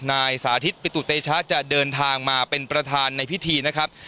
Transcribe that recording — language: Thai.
นายสาธิตปิตุเตชะจะเดินทางมาเป็นประธานในพิธีนะครับ